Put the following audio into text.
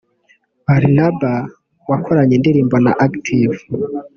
Barnaba wakoranye indirimbo na Active